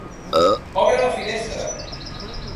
Obre la finestra.